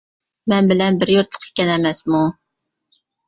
مەن بىلەن بىر يۇرتلۇق ئىكەن ئەمەسمۇ!